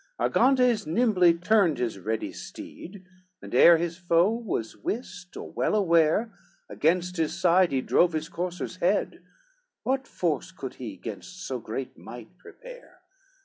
XXXV Argantes nimbly turned his ready steed, And ere his foe was wist or well aware, Against his side he drove his courser's head, What force could he gainst so great might prepare?